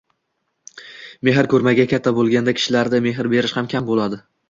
Mehr ko‘rmay katta bo‘lgan kishilarda mehr berish ham kamroq bo‘ladi